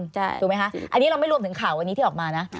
ใช่ถูกไหมคะอันนี้เราไม่รวมถึงข่าวที่ออกมานะ